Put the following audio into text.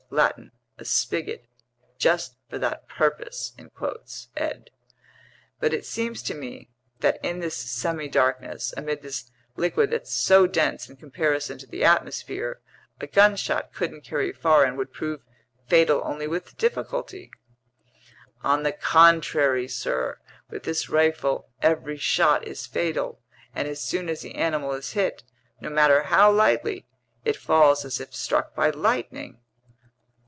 *Latin: a spigot "just for that purpose." Ed. "But it seems to me that in this semidarkness, amid this liquid that's so dense in comparison to the atmosphere, a gunshot couldn't carry far and would prove fatal only with difficulty!" "On the contrary, sir, with this rifle every shot is fatal; and as soon as the animal is hit, no matter how lightly, it falls as if struck by lightning."